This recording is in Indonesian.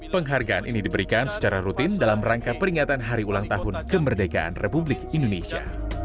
penghargaan ini diberikan secara rutin dalam rangka peringatan hari ulang tahun kemerdekaan republik indonesia